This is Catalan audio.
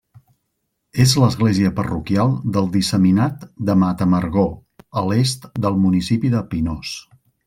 És l'església parroquial del disseminat de Matamargó, a l'est del municipi de Pinós.